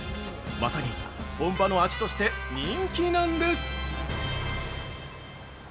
まさに本場の味として人気なんです。